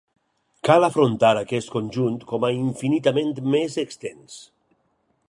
Cal afrontar aquest conjunt com a infinitament més extens.